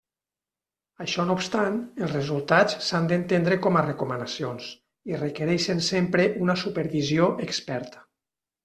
Això no obstant, els resultats s'han d'entendre com a recomanacions, i requereixen sempre una supervisió experta.